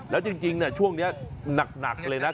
แล้วจริงช่วงนี้หนักเลยนะ